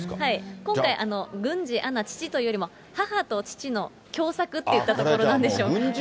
今回、郡司アナ父というよりも、母と父の共作っていったところなんでしょうか。